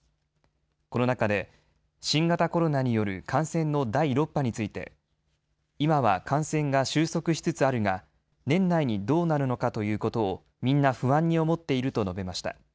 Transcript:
この中で新型コロナによる感染の第６波について今は感染が収束しつつあるが年内にどうなるのかということをみんな不安に思っていると述べました。